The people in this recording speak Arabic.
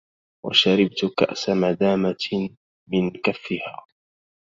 وشربت كأس مدامة من كفها